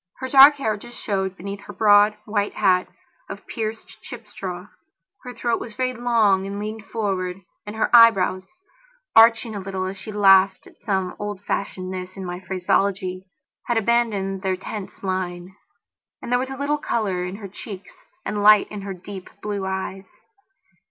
Her dark hair just showed beneath her broad, white hat of pierced, chip straw; her throat was very long and leaned forward, and her eyebrows, arching a little as she laughed at some old fashionedness in my phraseology, had abandoned their tense line. And there was a little colour in her cheeks and light in her deep blue eyes.